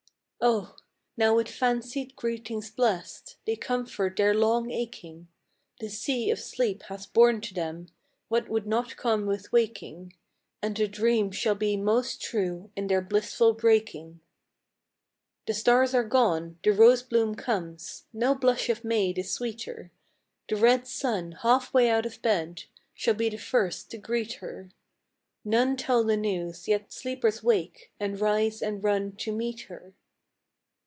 O ! now with fancied greetings blest, They comfort their long aching: The sea of sleep hath borne to them What would not come with waking, And the dreams shall be most true In their blissful breaking. 90 FROM QUEENS' GARDENS. The stars are gone, the rose bloom comes — No blush of maid is sweeter; The red sun, half way out of bed, • Shall be the first to greet her. None tell the news, yet sleepers wake, And rise and run to meet her.